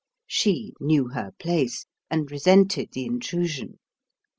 She "knew her place," and resented the intrusion.